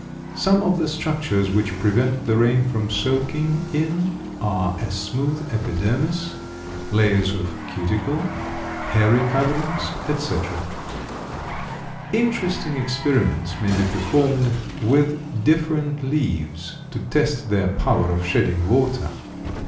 Some of the structures which prevent the rain from soaking in are a smooth epidermis, layers of cuticle, hairy coverings, etc. Interesting experiments may be performed with different leaves to test their power of shedding water.